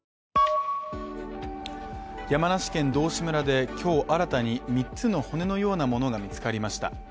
山梨県道志村で今日新たに三つの骨のようなものが見つかりました。